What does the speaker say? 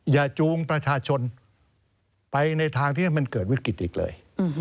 จูงประชาชนไปในทางที่ให้มันเกิดวิกฤตอีกเลย